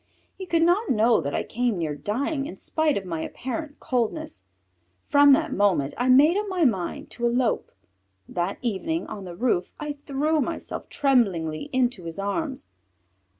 He could not know that I came near dying, in spite of my apparent coldness. From that moment I made up my mind to elope. That evening, on the roof, I threw myself tremblingly into his arms.